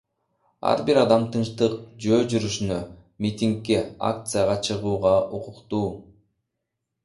Ар бир адам тынчтык жөө жүрүшүнө, митингге, акцияга чыгууга укуктуу.